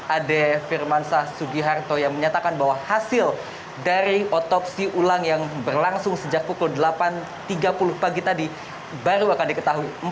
ade firmansyah sugiharto yang menyatakan bahwa hasil dari otopsi ulang yang berlangsung sejak pukul delapan tiga puluh pagi tadi baru akan diketahui